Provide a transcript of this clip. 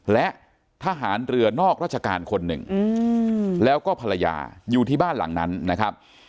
และทหารเรือนอกราชการคนหนึ่งแล้วก็ภรรยาอยู่ที่บ้านหลังนั้นนะครับ